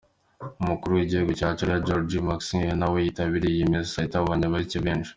Umukuru w’Igihugu cya Georgia, Georgy Margvelashvili nawe yitabiriye iyi misa itabonye abayoboke benshi.